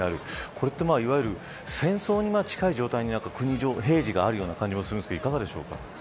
これっていわゆる戦争に近い状態に国が平時あるような感じがするんですが、いかがですか。